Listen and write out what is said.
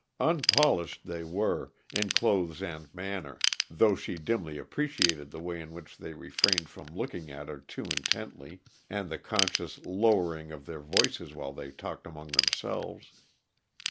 Unpolished they were, in clothes and manner, though she dimly appreciated the way in which they refrained from looking at her too intently, and the conscious lowering of their voices while they talked among themselves.